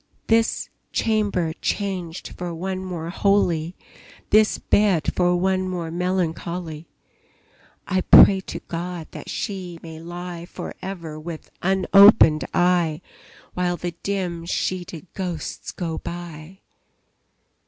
This chamber changed for one more holy, This bed for one more melancholy, I pray to God that she may lie For ever with unopened eye, While the dim sheeted ghosts go by!